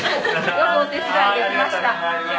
よくお手伝いできました。